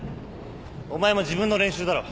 お前も自分の練習だろ。